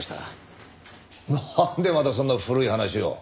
なんでまたそんな古い話を。